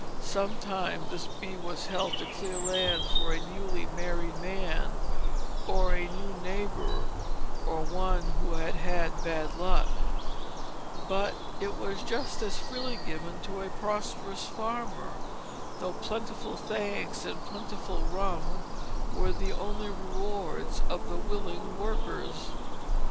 Sometimes this bee was held to clear land for a newly married man, or a new neighbor, or one who had had bad luck; but it was just as freely given to a prosperous farmer, though plentiful thanks and plentiful rum were the only rewards of the willing workers.